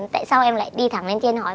tại sao em lại đi thẳng lên trên hỏi